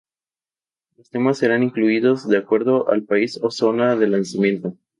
Los temas serán incluidos de acuerdo al país o zona de lanzamiento.